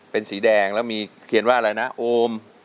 เป็นสีแดงแล้วมีเขียนว่าอะไรนะโอม